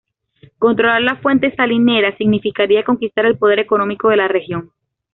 Controlar la fuente salinera significaría conquistar el poder económico de la región.